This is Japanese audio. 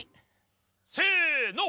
せの！